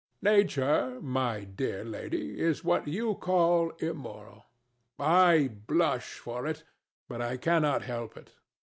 DON JUAN. Nature, my dear lady, is what you call immoral. I blush for it; but I cannot help it.